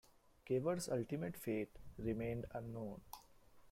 Cavor's ultimate fate remained unknown.